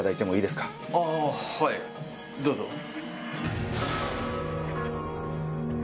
はいどうぞ。